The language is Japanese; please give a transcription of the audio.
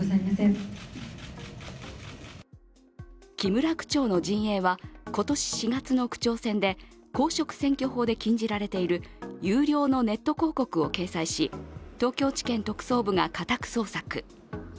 木村区長の陣営は今年４月の区長選で公職選挙法で禁じられている有料のネット広告を掲載し東京地検特捜部が家宅捜索。